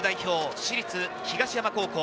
・私立東山高校。